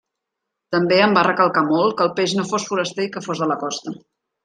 També em va recalcar molt que el peix no fos foraster i que fos de la costa.